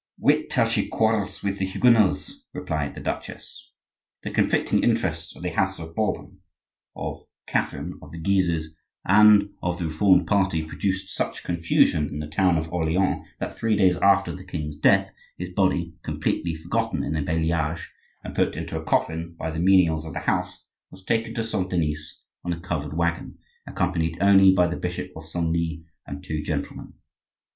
"Wait till she quarrels with the Huguenots," replied the duchess. The conflicting interests of the house of Bourbon, of Catherine, of the Guises, and of the Reformed party produced such confusion in the town of Orleans that, three days after the king's death, his body, completely forgotten in the Bailliage and put into a coffin by the menials of the house, was taken to Saint Denis in a covered waggon, accompanied only by the Bishop of Senlis and two gentlemen.